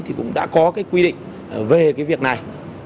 thì cũng đã có cái quy định về cái việc này